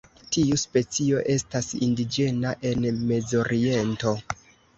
Tiu specio estas indiĝena en Mezoriento.